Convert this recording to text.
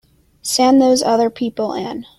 Send those other people in.